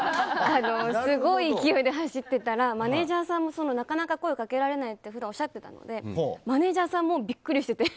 すごい勢いで走ってたらマネジャーさんもなかなか声をかけられないって普段、おっしゃってたのでマネジャーさんもビックリしていて。